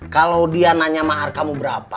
kalau dia nanya mahar kamu berapa